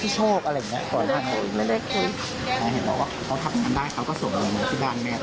ใช่